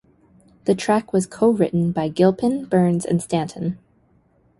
The track was co-written by Gilpin, Burns and Stanton.